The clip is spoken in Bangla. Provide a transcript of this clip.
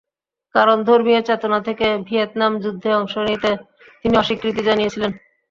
কারণ, ধর্মীয় চেতনা থেকে ভিয়েতনাম যুদ্ধে অংশ নিতে তিনি অস্বীকৃতি জানিয়েছিলেন।